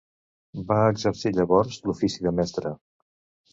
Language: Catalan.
Va exercir llavors l'ofici de mestre.